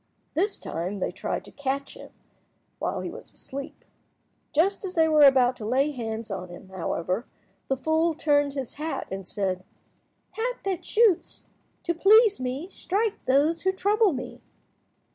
This time they tried to catch him while he was asleep. Just as they were about to lay hands on him, however, the fool turned his hat, and said— "Hat that shoots, to please me, strike those who trouble me."